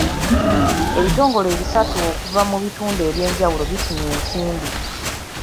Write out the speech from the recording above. Ebitongole bisatu okuva mu bitundu eby'enjawulo bifunye ensimbi.